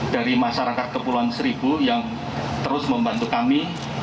dari masyarakat kepulauan seribu yang terus membantu kami